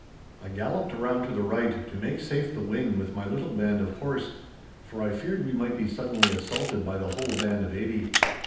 I galloped round to the right, to make safe the wing with my little band of horse, for I feared we might be suddenly assaulted by the whole band of eighty.